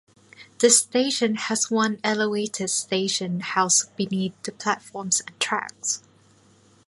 This station has one elevated station house beneath the platforms and tracks.